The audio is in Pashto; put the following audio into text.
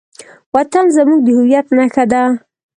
وطن زموږ د هویت نښه ده.